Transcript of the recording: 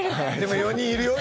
４人いたよ。